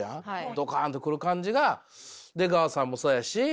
ドカンって来る感じが出川さんもそうやし。